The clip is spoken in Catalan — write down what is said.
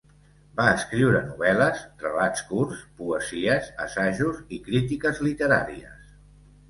Va escriure novel·les, relats curts, poesies, assajos i crítiques literàries.